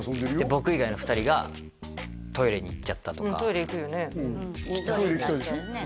僕以外の２人がトイレに行っちゃったとかうんトイレ行くよね